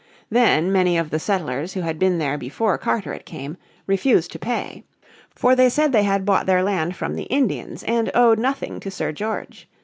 Then many of the settlers, who had been there before Carteret came, refused to pay. For they said they had bought their land from the Indians, and owed nothing to Sir George.